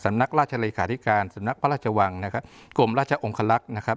นักราชเลขาธิการสำนักพระราชวังนะครับกรมราชองคลักษณ์นะครับ